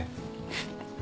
フッ。